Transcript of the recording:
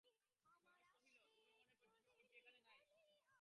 রমেশ কহিল, তুমি মনে করিতেছ বঁটি এখানে নাই?